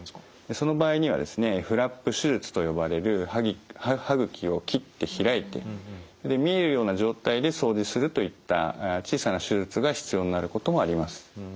その場合にはですねフラップ手術と呼ばれる歯ぐきを切って開いて見えるような状態で掃除するといった小さな手術が必要になることもあります。